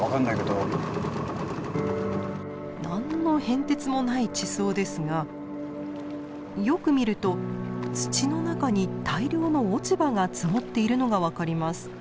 何の変哲もない地層ですがよく見ると土の中に大量の落ち葉が積もっているのが分かります。